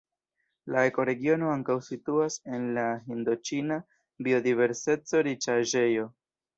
La ekoregiono ankaŭ situas en la Hindoĉina biodiverseco-riĉaĵejo.